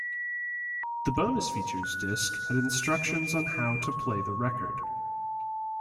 The bonus features disc had instructions on how to play the record.